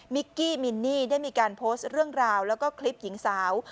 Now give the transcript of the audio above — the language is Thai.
กี้มินนี่ได้มีการโพสต์เรื่องราวแล้วก็คลิปหญิงสาว